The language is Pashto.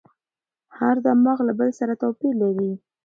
هر دماغ له بل سره توپیر لري.